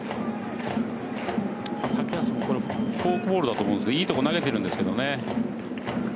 竹安もフォークボールだと思うんですけどいいとこ投げてるんですけどね。